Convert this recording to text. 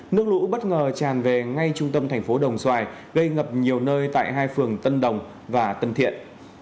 nước lũ bất ngờ tràn về ngay trung tâm thành phố đồng xoài gây ngập nhiều nơi tại hai phường tân đồng và tân thiện